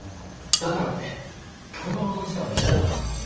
だからってこの労働時間は異常だよ。